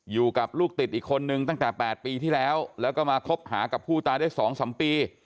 อยู่กับลูกติดอีกคนนึงตั้งแต่๘ปีที่แล้วแล้วก็มาคบหากับผู้ตายได้๒๓ปี